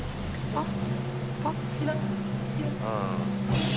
あっ！